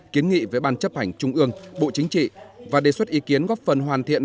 kiến nghị với ban chấp hành trung ương bộ chính trị và đề xuất ý kiến góp phần hoàn thiện